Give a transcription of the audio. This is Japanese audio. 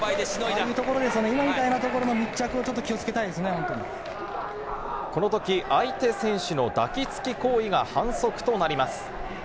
今みたいなところの密着をちこのとき、相手選手の抱きつき行為が反則となります。